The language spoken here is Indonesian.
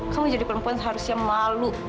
kamu jadi perempuan seharusnya malu